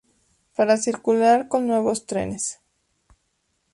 Para circular con nuevos trenes.